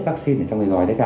vaccine để cho người gói đấy cả